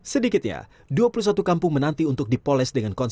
sedikitnya dua puluh satu kampung menanti untuk dipoles dengan konsep